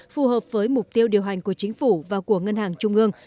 phù hợp với mục tiêu điều hành của chính phủ và của ngân hàng trung ương